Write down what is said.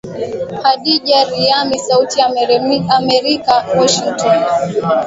Khadija Riyami sauti ya america Washington